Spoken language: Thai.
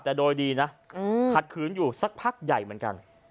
แต่โดยดีนะขัดขืนอยู่สักพักใหญ่เหมือนกัน